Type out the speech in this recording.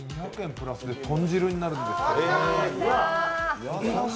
プラスで豚汁になるんです。